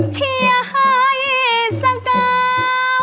เชียงให้สกาว